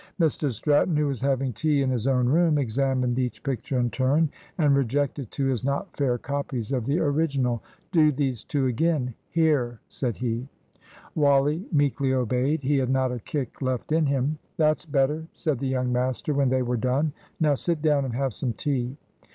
Mr Stratton, who was having tea in his own room, examined each picture in turn, and rejected two as not fair copies of the original. "Do these two again here," said he. Wally meekly obeyed. He had not a kick left in him. "That's better," said the young master when they were done. "Now sit down and have some tea."